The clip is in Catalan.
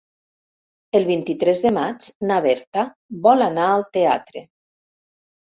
El vint-i-tres de maig na Berta vol anar al teatre.